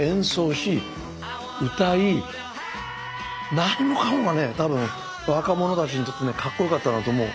何もかもがね多分若者たちにとってねかっこよかったんだと思う。